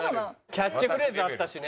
キャッチフレーズあったしね